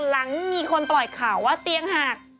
หลังมีคนปล่อยข่าวว่าเตียงหัก